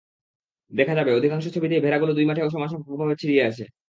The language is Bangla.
দেখা যাবে, অধিকাংশ ছবিতেই ভেড়াগুলো দুই মাঠে সমানসংখ্যকভাবে ছড়িয়ে আছে।